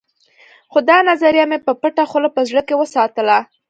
خو دا نظريه مې په پټه خوله په زړه کې وساتله.